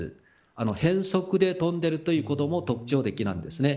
変則で飛んでいるということも特徴的なんです。